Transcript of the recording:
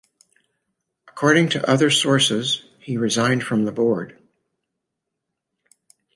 According to other sources he resigned from the board.